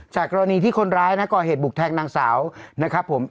กรณีที่คนร้ายนะก่อเหตุบุกแทงนางสาวนะครับผม